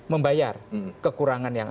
membayar kekurangan yang